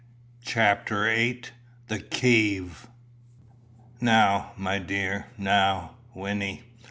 CHAPTER VIII. THE KEEVE. "Now, my dear! now, Wynnie!"